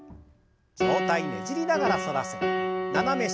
上体ねじりながら反らせて斜め下